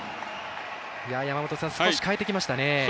少し変えてきましたね。